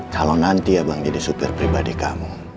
kalau nanti abang jadi supir pribadi kamu